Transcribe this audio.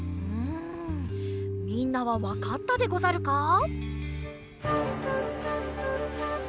うんみんなはわかったでござるか？